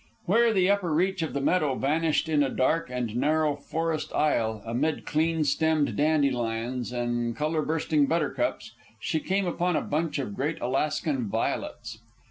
Where the upper reach of the meadow vanished in a dark and narrow forest aisle, amid clean stemmed dandelions and color bursting buttercups, she came upon a bunch of great Alaskan violets.